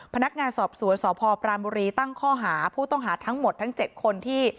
พนักงานสอบสวนสพปรานบุรีตั้งข้อหาผู้ต้องหาทั้งหมดทั้ง๗คนที่